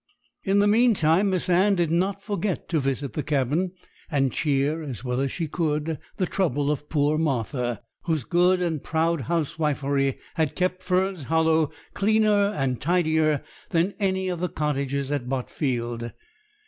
In the meantime Miss Anne did not forget to visit the cabin, and cheer, as well as she could, the trouble of poor Martha, whose good and proud housewifery had kept Fern's Hollow cleaner and tidier than any of the cottages at Botfield.